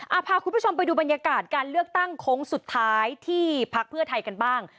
พาคุณผู้ชมไปดูบรรยากาศการเลือกตั้งโค้งสุดท้ายที่พักเพื่อไทยกันบ้าง